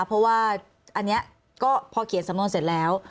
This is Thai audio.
เพราะว่าอันนี้ก็พอเขียนสำนวนเสร็จแล้ว